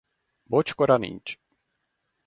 Bocskora nincs.